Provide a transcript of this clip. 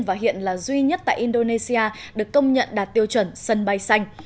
và hiện là duy nhất tại indonesia được công nhận đạt tiêu chuẩn sân bay xanh